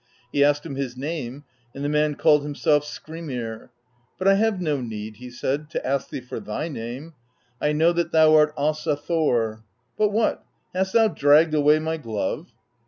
He asked him his name, and the man called himself Skrymir, — ^but I have no need,' he said, 'to ask thee for thy name; I know that thou art Asa Thor. But what? Hast thou dragged away my glove?'